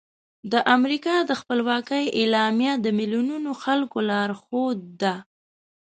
د امریکا د خپلواکۍ اعلامیه د میلیونونو خلکو لارښود ده.